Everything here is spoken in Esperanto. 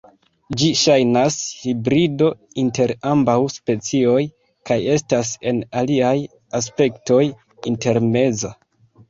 Ĝi ŝajnas hibrido inter ambaŭ specioj, kaj estas en aliaj aspektoj intermeza.